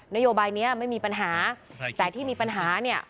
นโยบายนี้ไม่มีปัญหาแต่ที่มีปัญหาเนี่ย